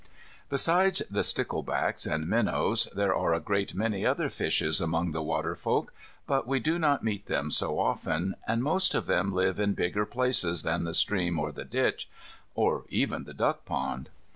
Besides the sticklebacks and minnows there are a great many other fishes among the water folk, but we do not meet them so often, and most of them live in bigger places than the stream or the ditch, or even the duck pond.